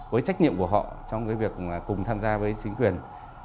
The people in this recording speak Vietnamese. với trách nhiệm của họ trong cái việc cùng tham gia với chính quyền